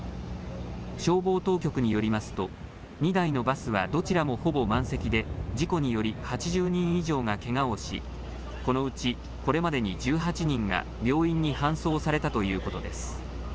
消防当局によりますと２台のバスはどちらもほぼ満席で事故により８０人以上がけがをしこのうちこれまでに１８人が病院に搬送されたということです。